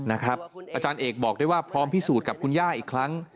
อาจารย์เอกบอกได้ว่าพร้อมพิสูจน์กับคุณย่าอีกครั้ง